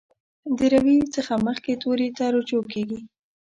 د روي څخه مخکې توري ته رجوع کیږي.